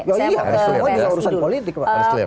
oke saya mau ke rizky dulu